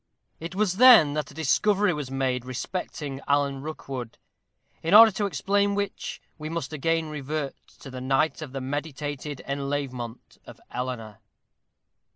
It was then that a discovery was made respecting Alan Rookwood, in order to explain which we must again revert to the night of the meditated enlèvement of Eleanor.